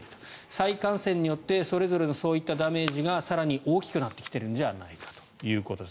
再感染によってそれぞれのそういったダメージが更に大きくなってきてるんじゃないかということです。